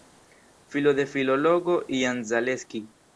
Filo de filologo Jan Zaleski.